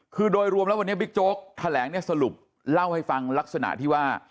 คือโดยรวมแล้ววันนี้บิ๊กโจ๊กแถลงเนี่ยสรุปเล่าให้ฟังลักษณะที่ว่า